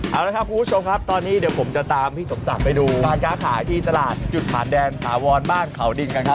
เอาละครับคุณผู้ชมครับตอนนี้เดี๋ยวผมจะตามพี่สมศักดิ์ไปดูการค้าขายที่ตลาดจุดผ่านแดนถาวรบ้านเขาดินกันครับ